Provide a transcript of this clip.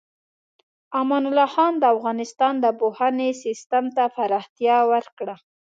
امان الله خان د افغانستان د پوهنې سیستم ته پراختیا ورکړه.